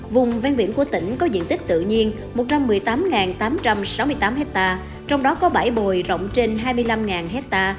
vùng ven biển của tỉnh có diện tích tự nhiên một trăm một mươi tám tám trăm sáu mươi tám hectare trong đó có bãi bồi rộng trên hai mươi năm ha